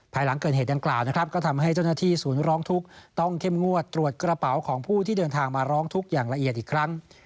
หลังเกิดเหตุดังกล่าวนะครับก็ทำให้เจ้าหน้าที่ศูนย์ร้องทุกข์ต้องเข้มงวดตรวจกระเป๋าของผู้ที่เดินทางมาร้องทุกข์อย่างละเอียดอีกครั้ง